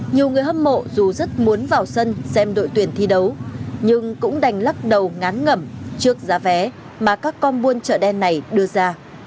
nhiều người hâm mộ dù rất muốn vào sân xem đội tuyển thi đấu nhưng cũng đành lắc đầu ngán ngẩm trước giá vé mà các con buôn trở đen này đưa ra